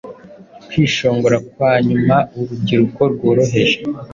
kwishongora kwanyuma Urubyiruko rworoheje